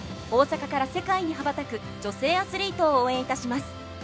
大阪から世界に羽ばたく女性アスリートを応援いたします。